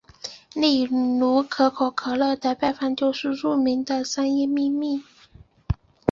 例如可口可乐的配方就是著名的商业秘密。